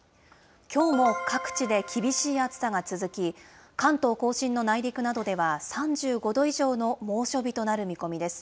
きょうも各地で厳しい暑さが続き、関東甲信の内陸などでは３５度以上の猛暑日となる見込みです。